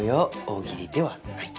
大喜利ではない。